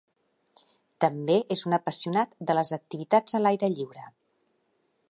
També és un apassionat de les activitats a l"aire lliure.